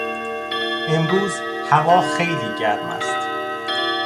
امروز هوا خیلی گرم است.